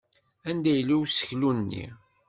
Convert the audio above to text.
Anda yella useklu-nni?